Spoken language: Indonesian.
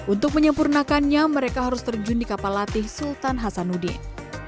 untuk menyempurnakannya mereka harus terjun di kapal latih sultan hasanuddin